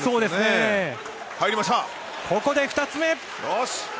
ここで２つ目。